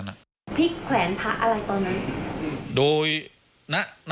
พี่แขวนพระอะไรตอนนั้น